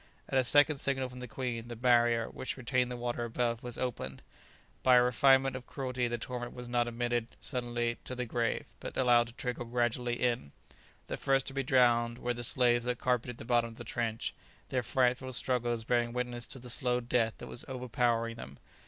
At a second signal from the queen, the barrier, which retained the water above, was opened. By a refinement of cruelty the torrent was not admitted suddenly to the grave, but allowed to trickle gradually in. The first to be drowned were the slaves that carpeted the bottom of the trench, their frightful struggles bearing witness to the slow death that was overpowering them.